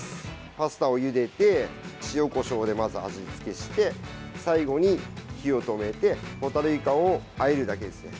パスタをゆでて塩、こしょうでまず味付けして最後に火を止めてホタルイカをあえるだけです。